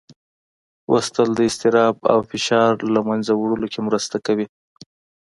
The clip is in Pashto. لوستل د اضطراب او فشار له منځه وړلو کې مرسته کوي